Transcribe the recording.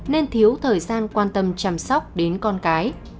nên thiếu thời gian quan tâm chăm sóc đến con cái